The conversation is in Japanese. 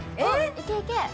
いけいけ！